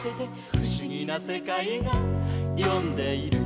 「ふしぎなせかいがよんでいる」